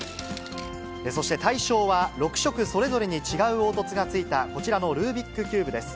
そして大賞は６色それぞれに違う凹凸が付いたこちらのルービックキューブです。